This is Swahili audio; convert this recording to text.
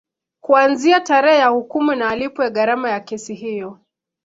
Kuanzia tarehe ya hukumu na alipwe gharama za kesi hiyo